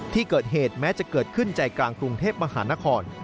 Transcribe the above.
ที่เกิดเหตุแม้จะเกิดขึ้นใจกลางกรุงเทพมหานคร